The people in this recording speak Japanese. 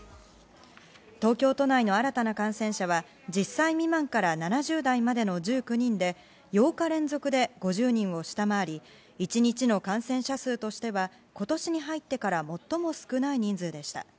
東京都内の新たな感染者は１０歳未満から７０代までの１９人で８日連続で５０人を下回り１日の感染者数としては今年に入ってから最も少ない人数でした。